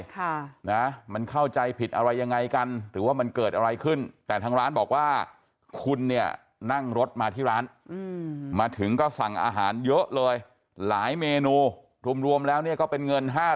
ค่ะมันเข้าใจผิดอะไรยังไงกันหรือว่ามันเกิดอะไรขึ้น